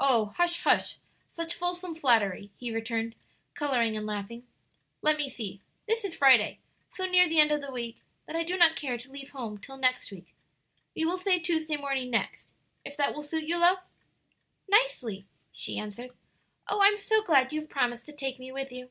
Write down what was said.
"Oh, hush, hush! such fulsome flattery," he returned, coloring and laughing. "Let me see; this is Friday, so near the end of the week that I do not care to leave home till next week. We will say Tuesday morning next, if that will suit you, love?" "Nicely," she answered. "Oh, I'm so glad you have promised to take me with you!"